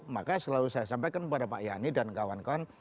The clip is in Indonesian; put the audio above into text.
maka selalu saya sampaikan kepada pak yani dan kawan kawan